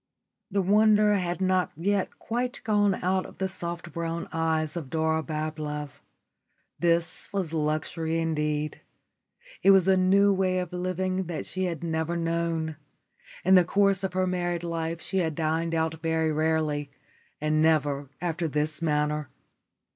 The wonder had not yet quite gone out of the soft brown eyes of Dora Bablove. This was luxury indeed. It was a new way of living that she had never known; in the course of her married life she had dined out very rarely, and never after this manner.